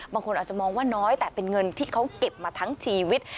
บางคนอาจจะมองว่าน้อยแต่เป็นเงินที่เขาเก็บมาทั้งชีวิต